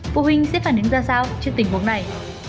phụ huynh sẽ phản ứng ra sao trước tình huống này